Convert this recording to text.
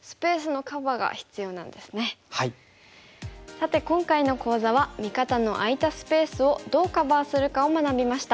さて今回の講座は味方の空いたスペースをどうカバーするかを学びました。